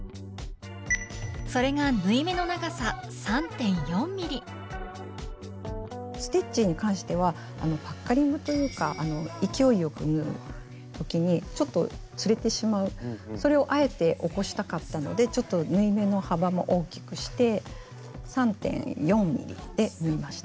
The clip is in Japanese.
それがステッチに関してはパッカリングというか勢いよく縫う時にちょっとずれてしまうそれをあえて起こしたかったのでちょっと縫い目の幅も大きくして３．４ｍｍで縫いました。